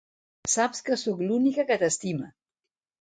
Saps que sóc l'única que t'estima.